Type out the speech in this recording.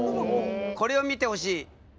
これを見てほしい。